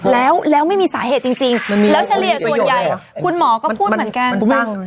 แล้วไม่มีสาเหตุจริงแล้วเฉลี่ยส่วนใหญ่คุณหมอก็พูดเหมือนกันสั่ง